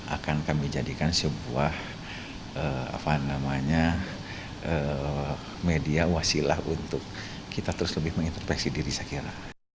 akan kami jadikan sebuah media wasilah untuk kita terus lebih menginterpeksi diri saya kira